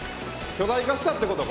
巨大化したってこと？